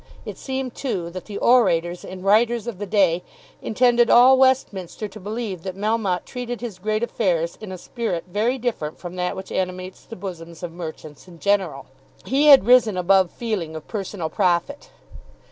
It seemed, too, that the orators and writers of the day intended all Westminster to believe that Melmotte treated his great affairs in a spirit very different from that which animates the bosoms of merchants in general. He had risen above any feeling of personal profit.